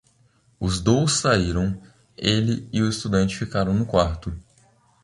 Os dous saíram, ele e o estudante ficaram no quarto.